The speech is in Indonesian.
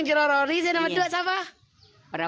saya nama dua siapa